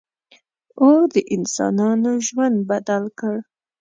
• اور د انسانانو ژوند بدل کړ.